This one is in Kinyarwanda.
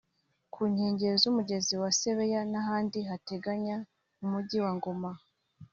ku nkengero z’Umugezi wa Sebeya n’ahandi hateganye n’Umujyi wa Goma